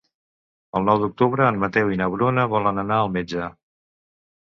El nou d'octubre en Mateu i na Bruna volen anar al metge.